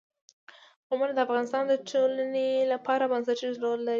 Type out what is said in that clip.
قومونه د افغانستان د ټولنې لپاره بنسټيز رول لري.